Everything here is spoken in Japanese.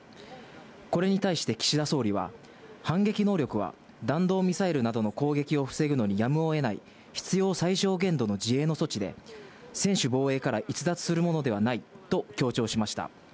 これに対して岸田総理は、反撃能力は弾道ミサイルなどの攻撃を防ぐのにやむをえない、必要最小限度の自衛の措置で、専守防衛から逸脱するものではないと強調しました。